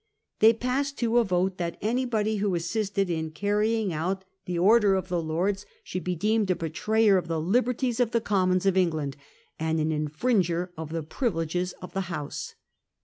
They passed, too, a vote that anybody who assisted in carrying out the order of the Lords should be deemed a betrayer of the liberties of the Commons of England and an infringer of the pri vileges of the House.